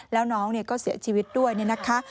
แล้วน้องก็เสียชีวิตด้วยเนี่ยนะคะ